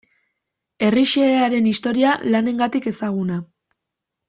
Herri xehearen historia lanengatik ezaguna.